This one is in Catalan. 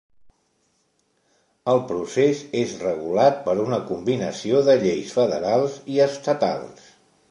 El procés és regulat per una combinació de lleis federals i estatals.